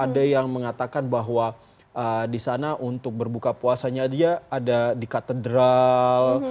ada yang mengatakan bahwa di sana untuk berbuka puasanya dia ada di katedral